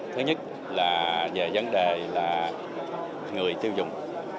thứ nhất là về vấn đề là người tiêu dùng